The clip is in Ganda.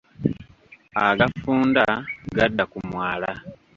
Agafunda, gadda ku mwala.